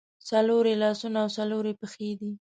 څلور یې لاسونه او څلور یې پښې دي.